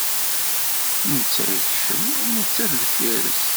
Netta yekcem, nettat deffir-s.